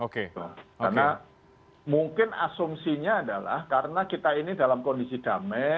karena mungkin asumsinya adalah karena kita ini dalam kondisi damai